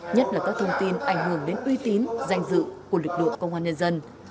nhất là các thông tin ảnh hưởng đến uy tín danh dự của lực lượng công an nhân dân